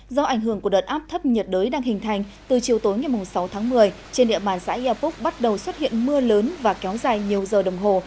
do ảnh hưởng của đợt áp thấp nhiệt đới đang hình thành từ chiều tối ngày sáu tháng một mươi trên địa bàn xã epoc bắt đầu xuất hiện mưa lớn và kéo dài nhiều giờ đồng hồ